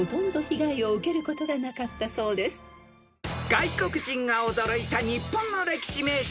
［外国人が驚いた日本の歴史名所